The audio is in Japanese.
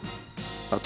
あと